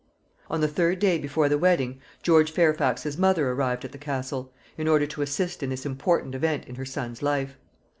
On the third day before the wedding, George Fairfax's mother arrived at the Castle, in order to assist in this important event in her son's life.